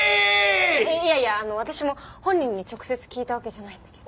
いやいや私も本人に直接聞いたわけじゃないんだけど。